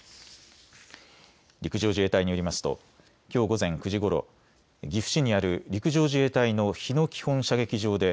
陸上自衛隊によりますときょう午前９時ごろ岐阜市にある陸上自衛隊の日野基本射撃場で